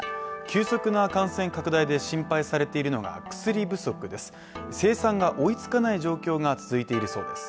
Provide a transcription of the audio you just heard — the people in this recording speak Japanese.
急速な感染拡大で心配されているのが薬不足です。